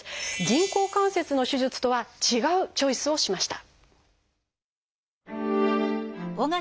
人工関節の手術とは違うチョイスをしました。